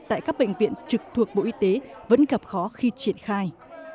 tại các bệnh viện trực thuộc bộ y tế vẫn gặp khó khi triển khai